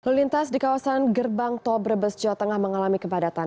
lalu lintas di kawasan gerbang tol brebes jawa tengah mengalami kepadatan